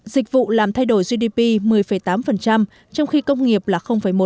dịch vụ làm thay đổi gdp một mươi tám trong khi công nghiệp là một